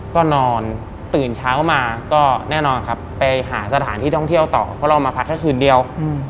ก็นอนตื่นเช้ามาก็แน่นอนครับไปหาสถานที่ท่องเที่ยวต่อเพราะเรามาพักแค่คืนเดียว